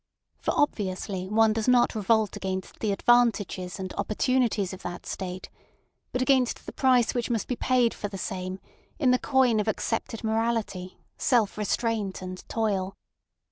For obviously one does not revolt against the advantages and opportunities of that state, but against the price which must be paid for the same in the coin of accepted morality, self restraint, and toil.